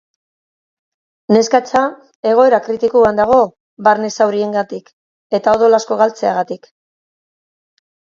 Neskatxa egora kritikoan dago barne zauriengatik eta odol asko galtzeagatik.